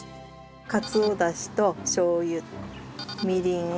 かつおダシとしょう油みりん